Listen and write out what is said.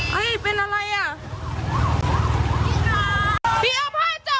พี่ป้องหัวใจน้องได้ไม่คะ